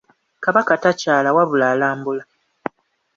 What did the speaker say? Kabaka takyala wabula alambula.